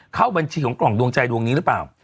เข้าบัญชีของกล่องดวงใจดวงนี้หรือเปล่า